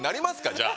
じゃあ。